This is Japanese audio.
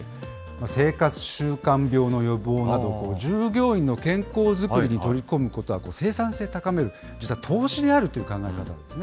生活習慣病の予防など、従業員の健康作りに取り組むことは生産性を高める、実は投資であるという考え方があるんですね。